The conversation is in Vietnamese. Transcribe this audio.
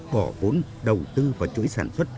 bỏ vốn đầu tư vào chuỗi sản xuất